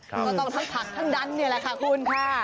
ก็ต้องทั้งผักทั้งดันนี่แหละค่ะคุณค่ะ